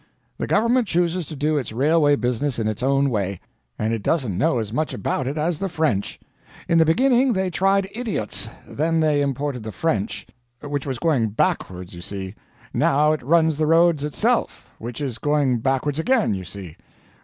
The government chooses to do its railway business in its own way, and it doesn't know as much about it as the French. In the beginning they tried idiots; then they imported the French which was going backwards, you see; now it runs the roads itself which is going backwards again, you see.